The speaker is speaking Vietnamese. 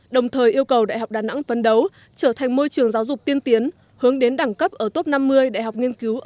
đồng thời yêu cầu đại học đà nẵng phấn đấu trở thành môi trường giáo dục tiên tiến hướng đến đẳng cấp ở top năm mươi đại học nghiên cứu ở